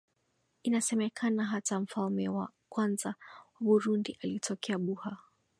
Inasemekana hata mfalme wa kwanza wa burundi alitokea buha